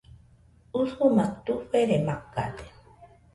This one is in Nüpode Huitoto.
Usuma tufere macade